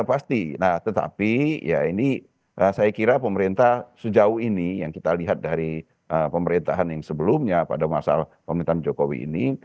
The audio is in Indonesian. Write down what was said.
pasti tetapi saya kira pemerintah sejauh ini yang kita lihat dari pemerintahan yang sebelumnya pada masalah pemerintahan jokowi ini